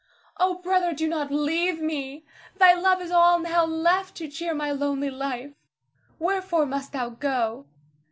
Oh, brother, do not leave me! Thy love is all now left to cheer my lonely life. Wherefore must thou go?